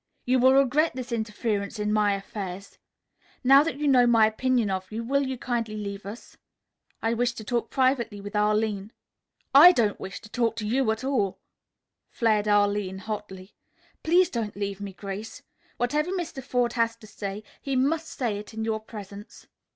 "You will regret this interference in my affairs. Now that you know my opinion of you, will you kindly leave us? I wish to talk privately with Arline." "I don't wish to talk to you at all," flared Arline hotly. "Please don't leave me, Grace. Whatever Mr. Forde has to say he must say in your presence."